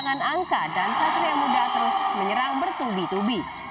ketika dikalahkan satria muda menyerang bertubi tubi